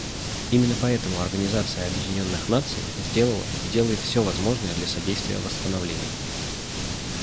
Именно поэтому Организация Объединенных Наций сделала и делает все возможное для содействия восстановлению.